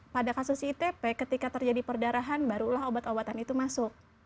pada kasus itp ketika terjadi perdarahan barulah obat obatan itu masuk